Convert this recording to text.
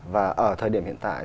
và ở thời điểm hiện tại